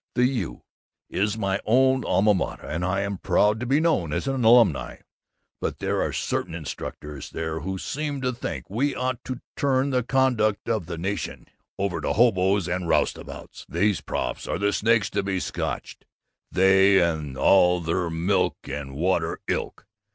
The U. is my own Alma Mater, and I am proud to be known as an alumni, but there are certain instructors there who seem to think we ought to turn the conduct of the nation over to hoboes and roustabouts. "'Those profs are the snakes to be scotched they and all their milk and water ilk!